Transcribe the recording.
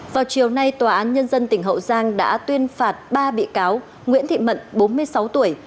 vào chiều nay tòa án nhân dân tỉnh hậu giang đã tuyên phạt ba bị cáo nguyễn thị mận bốn mươi sáu tuổi